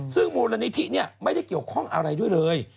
ซึ่งมูลนิธิไม่ได้เกี่ยวข้องอะไรด้วยเลย